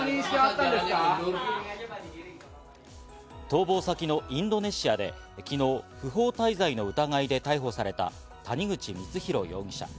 逃亡先のインドネシアで昨日、不法滞在の疑いで逮捕された谷口光弘容疑者。